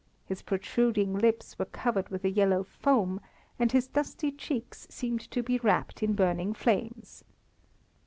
His protruding lips were covered with a yellow foam and his dusky cheeks seemed to be wrapped in burning flames.